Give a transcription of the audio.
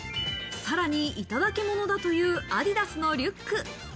さらに、いただきものだというアディダスのリュック。